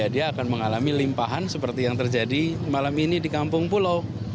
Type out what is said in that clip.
dia akan mengalami limpahan seperti yang terjadi malam ini di kampung pulau